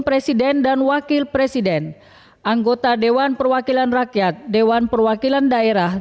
presiden dan wakil presiden anggota dewan perwakilan rakyat dewan perwakilan daerah